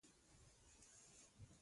دا لوست له اخلاقو خبرې کوي.